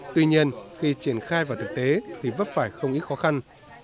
tuy nhiên khi triển khai vào thực tế thì vấp phải không ít khó khăn